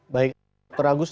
baik dr agus